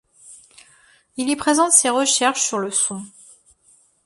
Il y présente ses recherches sur le son.